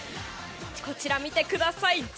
こちら見てください。